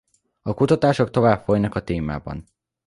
A kutatások tovább folynak a témában.